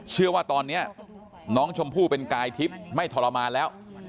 เชื่อว่าตอนนี้น้องชมพู่เป็นกายทิพย์ไม่ทรมานแล้ว